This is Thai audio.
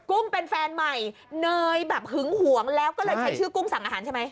ุ้งเป็นแฟนใหม่เนยแบบหึงหวงแล้วก็เลยใช้ชื่อกุ้งสั่งอาหารใช่ไหม